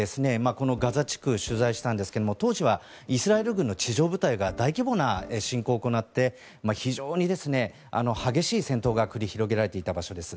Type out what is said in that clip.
このガザ地区取材したんですけども当時はイスラエル軍の地上部隊が大規模な侵攻を行って非常にですね激しい戦闘が繰り広げられていた場所です。